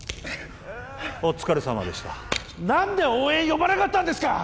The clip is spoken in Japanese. お疲れさまでした何で応援呼ばなかったんですか！